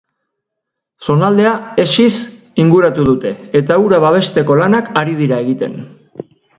Zonaldea hesiz inguratu dute eta hura babesteko lanak ari dira egiten.